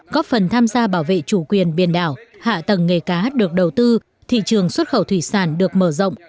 góp phần tham gia bảo vệ chủ quyền biển đảo hạ tầng nghề cá được đầu tư thị trường xuất khẩu thủy sản được mở rộng